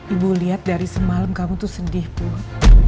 ibu liat dari semalam kamu tuh sedih pun